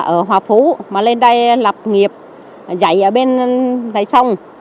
ở hòa phú mà lên đây lập nghiệp dạy ở bên đấy xong